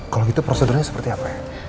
kalau gitu prosedurnya seperti apa ya